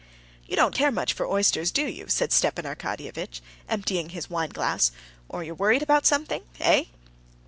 "You don't care much for oysters, do you?" said Stepan Arkadyevitch, emptying his wine glass, "or you're worried about something. Eh?"